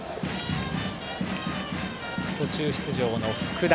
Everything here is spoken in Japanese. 途中出場の福田。